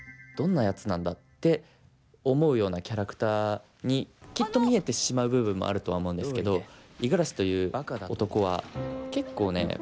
どんなやつなんだ」って思うようなキャラクターにきっと見えてしまう部分もあるとは思うんですけど五十嵐という男は結構ね